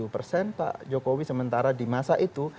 pak jokowi sementara di masa itu